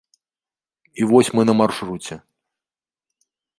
І вось мы на маршруце.